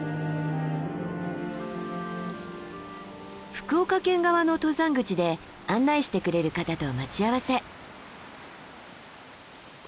福岡県側の登山口で案内してくれる方と待ち合わせ。